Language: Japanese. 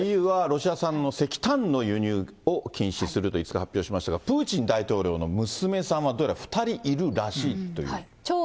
ＥＵはロシア産の石炭の輸入を禁止すると５日、発表しましたが、プーチン大統領の娘さんはどうやら２人いるらしいという。